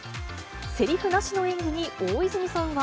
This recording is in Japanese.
せりふなしの演技に大泉さんは。